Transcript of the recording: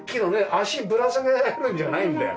足ぶら下げられるんじゃないんだよ。